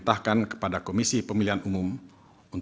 dan keputusan komisi pemilihan umum no seribu enam ratus empat puluh empat